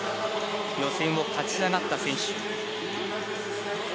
予選を勝ち上がった選手。